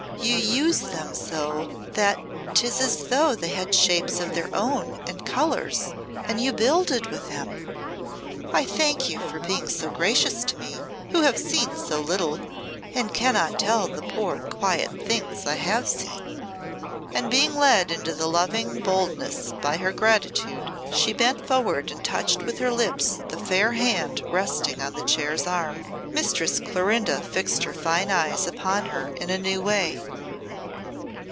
You use them so that 'tis as though they had shapes of their own and colours, and you builded with them. I thank you for being so gracious to me, who have seen so little, and cannot tell the poor, quiet things I have seen." And being led into the loving boldness by her gratitude, she bent forward and touched with her lips the fair hand resting on the chair's arm. Mistress Clorinda fixed her fine eyes upon her in a new way.